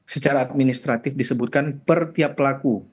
secara administratif disebutkan per tiap pelaku